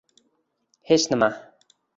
Hech nima.